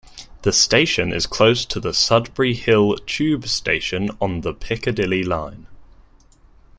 The station is close to the Sudbury Hill tube station on the Piccadilly line.